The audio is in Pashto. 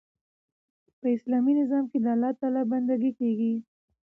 په اسلامي نظام کښي د الله تعالی بندګي کیږي.